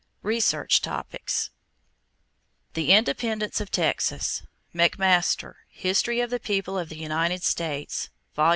=Research Topics= =The Independence of Texas.= McMaster, History of the People of the United States, Vol.